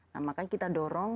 nah makanya kita dorong